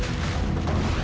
kita harus ke rumah